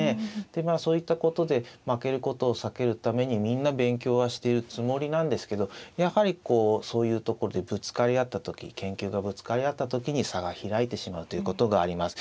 でまあそういったことで負けることを避けるためにみんな勉強はしてるつもりなんですけどやはりこうそういうとこでぶつかり合った時研究がぶつかり合った時に差が開いてしまうということがあります。